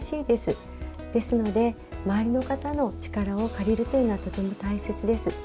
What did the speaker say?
ですので周りの方の力を借りるというのはとても大切です。